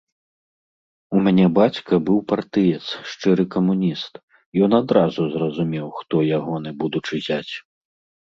У мяне бацька быў партыец, шчыры камуніст, ён адразу зразумеў, хто ягоны будучы зяць.